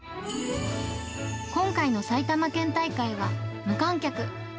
今回の埼玉県大会は無観客。